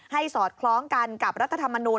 สอดคล้องกันกับรัฐธรรมนูล